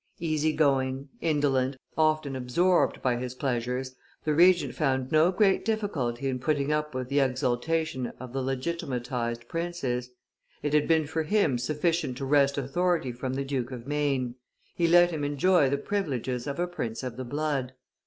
Easy going, indolent, often absorbed by his pleasures, the Regent found no great difficulty in putting up with the exaltation of the legitimatized princes; it had been for him sufficient to wrest authority from the Duke of Maine, he let him enjoy the privileges of a prince of the blood.